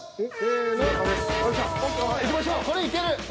これいける。